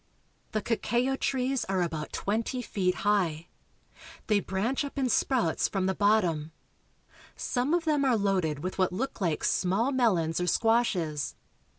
The cacao trees are about twenty feet high. They branch up in sprouts from the bottom. Some of them are loaded with what look like small melons or squashes.